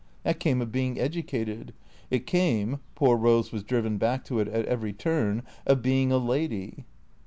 That came of being educated. It came (poor Eose was driven back to it at every turn) of being a lady.